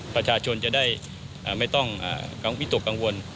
ประชาชนจะได้ไม่ต้องวิตกกังวล